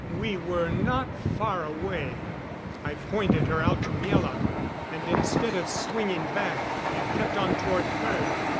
We were not far away; I pointed her out to Miela, and instead of swinging back we kept on toward her.